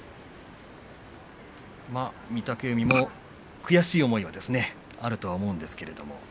御嶽海も悔しいと思いはあると思うんですが。